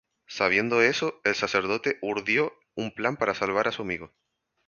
Sabiendo eso, el sacerdote urdió un plan para salvar a su amigo.